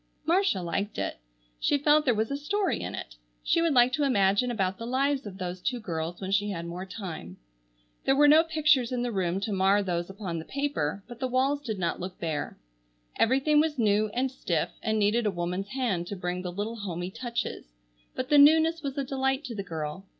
Marcia liked it. She felt there was a story in it. She would like to imagine about the lives of those two girls when she had more time. There were no pictures in the room to mar those upon the paper, but the walls did not look bare. Everything was new and stiff and needed a woman's hand to bring the little homey touches, but the newness was a delight to the girl.